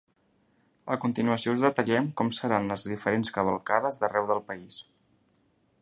A continuació us detallem com seran les diferents cavalcades d’arreu del país.